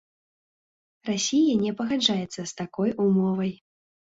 Расія не пагаджаецца з такой умовай.